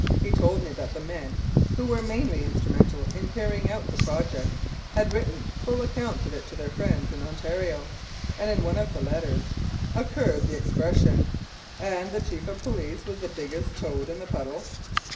He told me that the men who were mainly instrumental in carrying out the project had written full accounts of it to their friends in Ontario, and in one of the letters occurred the expression, "And the Chief of Police was the biggest toad in the puddle."